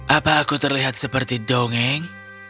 apa aku terlihat seperti dongeng